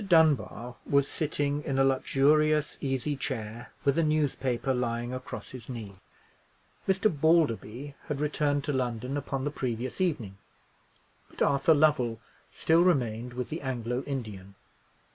Dunbar was sitting in a luxurious easy chair, with a newspaper lying across his knee. Mr. Balderby had returned to London upon the previous evening, but Arthur Lovell still remained with the Anglo Indian.